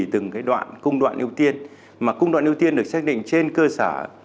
từng cái đoạn cung đoạn ưu tiên mà cung đoạn ưu tiên được xác định trên cơ sở